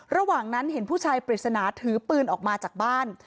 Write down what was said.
ระหว่างนั้นเห็นผู้ชายปริศนาถือปืนออกมาจากบ้าน